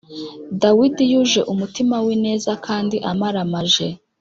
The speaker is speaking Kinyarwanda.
dawidi yuje umutima w’ineza kandi amaramaje,